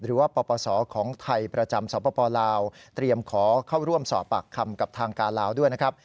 หรือว่าปปศของไทยประจำสปลาวเตรียมขอเข้าร่วมสอบปากคำกับทางการลาวด้วยนะครับ